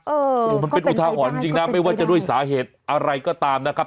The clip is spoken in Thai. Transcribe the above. โอ้โหมันเป็นอุทาหรณ์จริงนะไม่ว่าจะด้วยสาเหตุอะไรก็ตามนะครับ